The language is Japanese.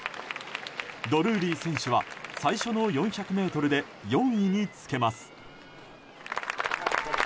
ドルーリー選手は、最初の４００ｍで４位につけます。